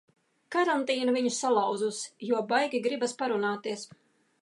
Karantīna viņu salauzusi, jo baigi gribas parunāties.